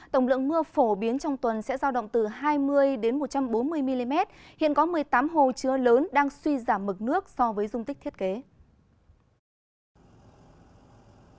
tổng lượng mưa phổ biến trong tuần sẽ giao động từ hai mươi một trăm bốn mươi mm hiện có một mươi tám hồ chứa lớn đang suy giảm mực nước so với dung tích thiết kế